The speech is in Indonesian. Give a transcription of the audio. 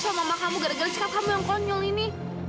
sama mama kamu gara gara kamu yang konyol ini